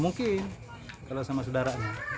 mungkin kalau sama saudaranya